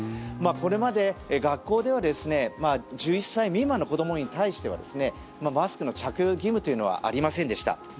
これまで学校では１１歳未満の子どもに対してはマスクの着用義務というのはありませんでした。